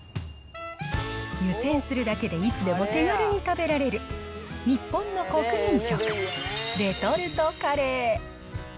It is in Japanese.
湯煎するだけでいつでも手軽に食べられる日本の国民食、レトルトカレー。